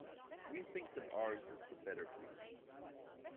We think that ours is the better view.